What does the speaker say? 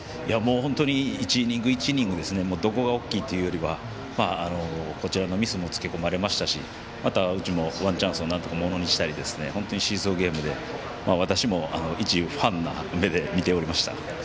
本当に１イニング、１イニングどこが大きいというよりはこちらのミスにもつけ込まれましたしあとはうちもワンチャンスをなんとかものにしたり本当にシーソーゲームで私も、いちファンの目で見ておりました。